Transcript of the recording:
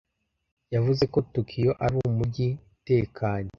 Yavuze ko Tokiyo ari umujyi utekanye